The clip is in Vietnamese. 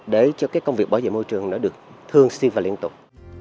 để cho cái công việc bảo vệ môi trường nó được thường xuyên và liên tục